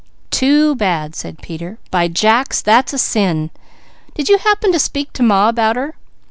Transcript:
"Too bad!" said Peter. "By jacks that's a sin! Did you happen to speak to Ma about her?"